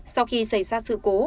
sau khi xảy ra sự cố